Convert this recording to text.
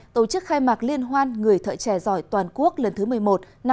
tổ chức khai mạc liên hoan người thợ trẻ giỏi toàn quốc lần thứ một mươi một năm hai nghìn hai mươi